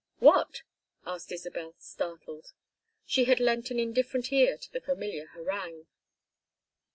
"What?" asked Isabel, startled; she had lent an indifferent ear to the familiar harangue.